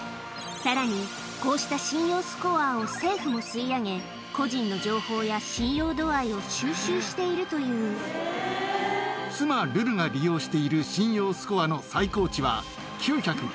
さらに、こうした信用スコアを政府も吸い上げ、個人の情報や、信用度合い妻、ルルが利用している信用スコアの最高値は、９５０点。